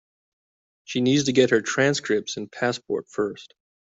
She needs to get her transcripts and passport first.